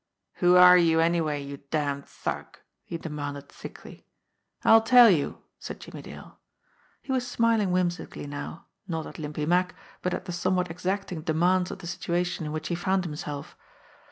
"Who are you, anyway, you damned thug?" he demanded thickly. "I'll tell you," said Jimmie Dale. He was smiling whim sically now not at Limpy Mack, but at the somewhat ex acting demands of the situation in which he found himself.